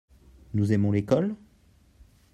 Nous aimons l'école ?